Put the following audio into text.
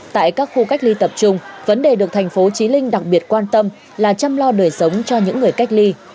tại các khu cách ly tập trung vấn đề được thành phố trí linh đặc biệt quan tâm là chăm lo đời sống cho những người cách ly